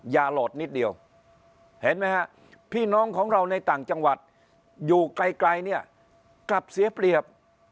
อย่าโหลดนิดเดียวเห็นไหมฮะพี่น้องของเราในต่างจังหวัดอยู่ไกลเนี่ยกลับเสียเปรียบ